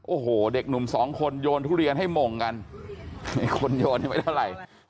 โอ้โหเด็กหนุ่มสองคนโยนทุเรียนให้มงกันคนโยนง่ายดาวไหล